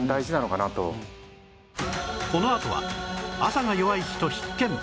このあとは朝が弱い人必見！